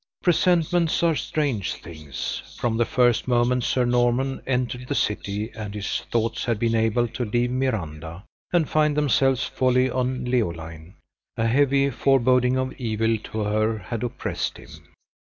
Presentiments are strange things. From the first moment Sir Norman entered the city, and his thoughts had been able to leave Miranda and find themselves wholly on Leoline, a heavy foreboding of evil to her had oppressed him.